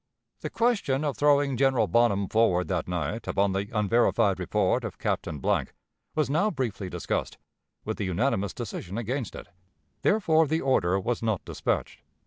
"The question of throwing General Bonham forward that night, upon the unverified report of Captain , was now briefly discussed, with a unanimous decision against it; therefore, the order was not dispatched.